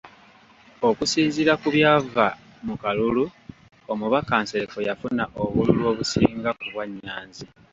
Okusinziira ku byava mu kalulu, omubaka Nsereko yafuna obululu obusinga ku bwa Nyanzi.